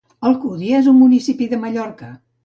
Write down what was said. Alcúdia és un municipi de Mallorca.